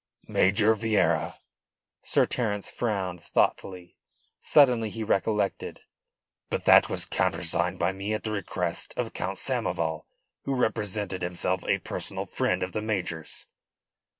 "Major Vieira!" Sir Terence frowned thoughtfully. Suddenly he recollected. "But that was countersigned by me at the request of Count Samoval, who represented himself a personal friend of the major's."